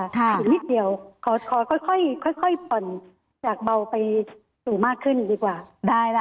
อีกนิดเดียวขอค่อยผ่อนจากเบาไปสูงมากขึ้นดีกว่าได้ล่ะ